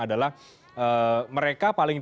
adalah mereka paling